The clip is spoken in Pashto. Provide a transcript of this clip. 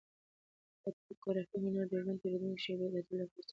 د فوتوګرافۍ هنر د ژوند تېرېدونکې شېبې د تل لپاره ثبتوي.